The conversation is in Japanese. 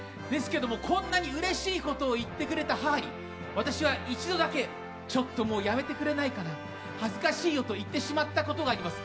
ですけどもこんなにうれしいことを言ってくれた母に私は一度だけちょっと、やめてくれないかな恥ずかしいよと言ってしまったことがあります。